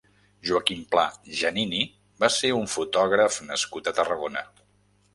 Joaquim Pla Janini va ser un fotògraf nascut a Tarragona.